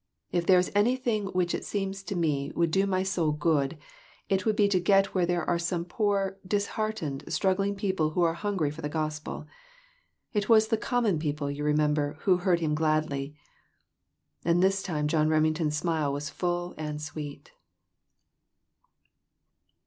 " If there is any thing which it seems to me would do my soul good, it would be to get where there are some poor, disheartened, struggling people who are hun gry for the gospel. It was the 'common people,' you remember, who 'heard Him gladly'." And this time John Remington's smile was full and sweet.